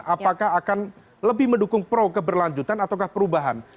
apakah akan lebih mendukung pro keberlanjutan ataukah perubahan